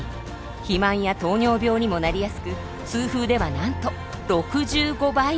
肥満や糖尿病にもなりやすく痛風ではなんと６５倍にも。